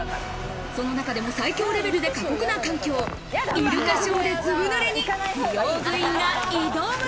その中でも最強レベルで過酷な環境、イルカショーでずぶ濡れに美容部員が挑む。